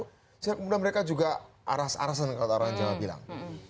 kemudian mereka juga aras arasan kalau orang jawa bilang